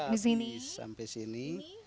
ya habis sampai sini